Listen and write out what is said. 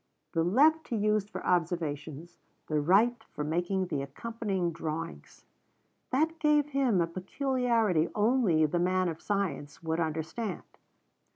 The left he used for observations, the right for making the accompanying drawings. That gave them a peculiarity only the man of science would understand.